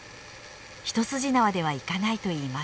一筋縄ではいかないといいます。